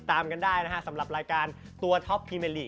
เอาหน้าหล่อของคุณเนี้ย